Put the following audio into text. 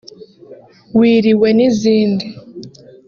Wiriwe n’izindi